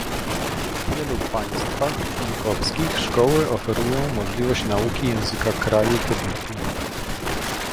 W wielu państwach członkowskich szkoły oferują możliwość nauki języka kraju pobytu